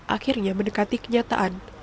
akhirnya mendekati kenyataan